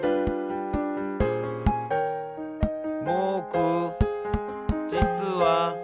「ぼくじつは」